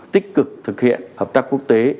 tích cực thực hiện hợp tác quốc tế